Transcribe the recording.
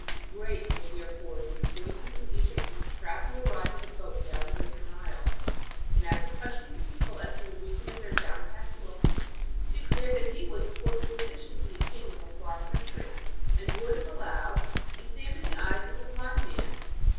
Great was therefore the rejoicing through Egypt when a traveller arrived in a boat down the river Nile, and after questioning the people as to the reason of their downcast looks, declared that he was court physician to the king of a far country, and would, if allowed, examine the eyes of the blind man.